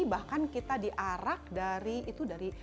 bahkan kita diarak dari itu dari